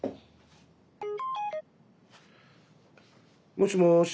もしもし。